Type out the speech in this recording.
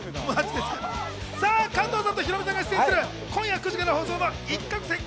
加藤さんとヒロミさんが出演する今夜９時から放送の『一攫千金！